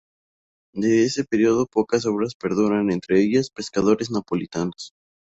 De ese período pocas obras perduran, entre ellas "Pescadores napolitanos".